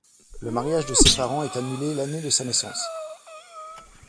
Le mariage de ses parents est annulé l'année de sa naissance.